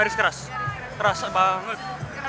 garis keras keras banget